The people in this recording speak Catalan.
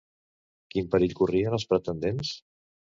Quin perill corrien els pretendents?